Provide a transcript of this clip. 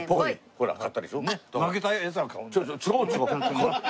ほら勝ったでしょ。